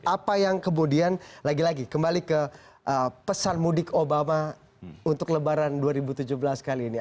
apa yang kemudian lagi lagi kembali ke pesan mudik obama untuk lebaran dua ribu tujuh belas kali ini